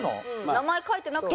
名前書いてなくても。